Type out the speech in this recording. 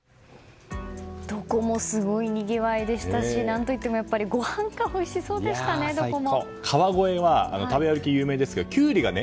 どこもすごいにぎわいでしたし何といってもごはんがおいしそうでした、どこも。